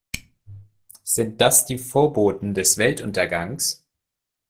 Sind das die Vorboten des Weltuntergangs?